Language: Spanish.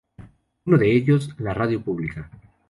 Uno de ellos, la radio pública.